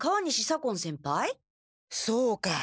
そうか。